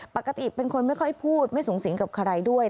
ปกติเป็นคนไม่ค่อยพูดไม่สูงสิงกับใครด้วย